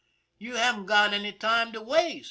You haven't got any time to waste.